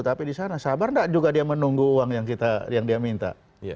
tapi di sana sabar tidak juga dia menunggu uang yang dia minta